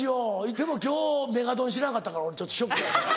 でも今日メガドン知らなかったから俺ショックや。